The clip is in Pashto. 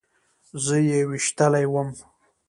زه يې ويشتلى وم.